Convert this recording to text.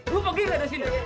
lo pergi gak ada sini